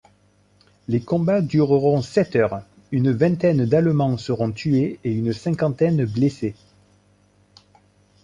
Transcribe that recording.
Les combats dureront sept heures, une vingtaine d'Allemands seront tués et une cinquantaine blessés.